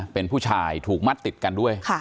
เป็นผู้ชายถูกมัดติดกันด้วย